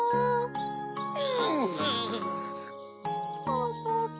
ポポポ。